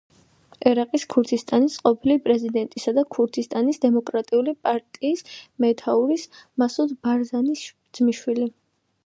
ერაყის ქურთისტანის ყოფილი პრეზიდენტისა და ქურთისტანის დემოკრატიული პარტიის მეთაურის მასუდ ბარზანის ძმისშვილი.